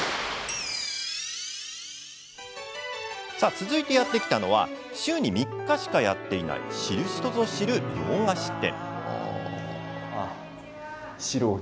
続いて、やって来たのは週に３日しかやっていない知る人ぞ知る洋菓子店。